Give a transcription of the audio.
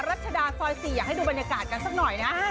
รัชดาซอย๔อยากให้ดูบรรยากาศกันสักหน่อยนะ